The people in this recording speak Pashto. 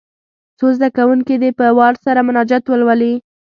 څو زده کوونکي دې په وار سره مناجات ولولي.